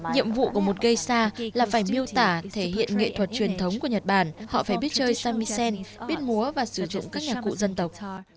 nhiệm vụ của một gây xa là phải miêu tả thể hiện nghệ thuật truyền thống của nhật bản họ phải biết chơi samisel biết múa và sử dụng các nhạc cụ dân tộc